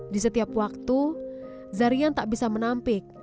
di setiap waktu zarian tak bisa menampik